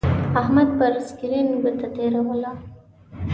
احمد پر سکرین گوته تېروله.